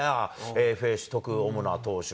ＦＡ取得、主な投手。